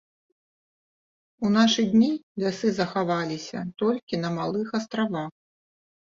У нашы дні лясы захаваліся толькі на малых астравах.